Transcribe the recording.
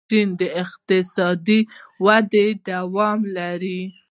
چین اقتصادي وده دوام لري.